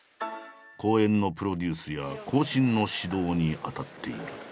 公演のプロデュースや後進の指導に当たっている。